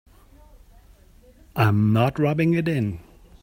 I'm not rubbing it in.